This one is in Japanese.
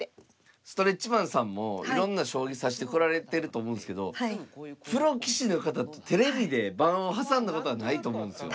ストレッチマンさんもいろんな将棋指してこられてると思うんですけどプロ棋士の方とテレビで盤を挟んだことはないと思うんですよね。